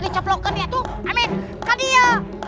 bapak ketua tapia